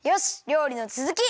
りょうりのつづき！